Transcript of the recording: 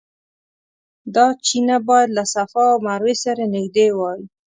دا چینه باید له صفا او مروه سره نږدې وای.